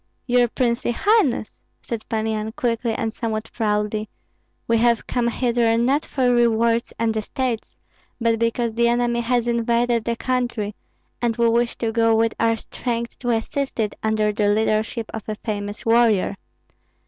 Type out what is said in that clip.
"Your princely highness," said Pan Yan, quickly and somewhat proudly, "we have come hither not for rewards and estates, but because the enemy has invaded the country, and we wish to go with our strength to assist it under the leadership of a famous warrior.